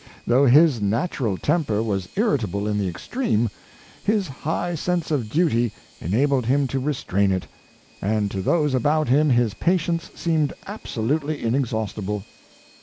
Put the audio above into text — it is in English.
Though his natural temper was irritable in the extreme, his high sense of duty enabled him to restrain it; and to those about him his patience seemed absolutely inexhaustible.